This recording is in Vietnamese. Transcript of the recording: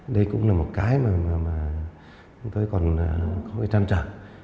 đây cũng là một cái mà tôi còn có thể trang trả